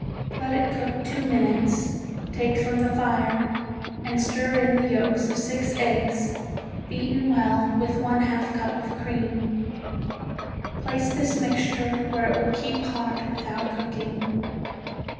Let it cook two minutes, take from the fire and stir in the yolks of six eggs beaten well with one half cup of cream. Place this mixture where it will keep hot without cooking.